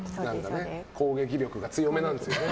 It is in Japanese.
攻撃力が強めなんですよね。